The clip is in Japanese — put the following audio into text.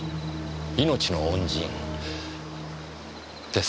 命の恩人ですか。